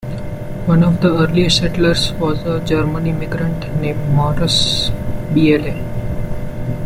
One of the earliest settlers was a German immigrant named Maurus Biehle.